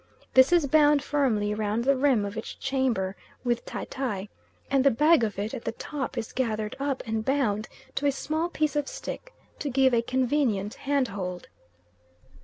This is bound firmly round the rim of each chamber with tie tie, and the bag of it at the top is gathered up, and bound to a small piece of stick, to give a convenient hand hold.